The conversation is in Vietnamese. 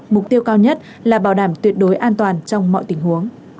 mục tiêu cao nhất là bảo đảm tuyệt đối an toàn trong mọi tình huống